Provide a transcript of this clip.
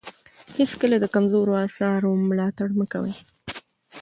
هېڅکله د کمزورو اثارو ملاتړ مه کوئ.